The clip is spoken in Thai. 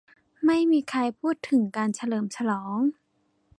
ไม่มีใครพูดถึงการเฉลิมฉลอง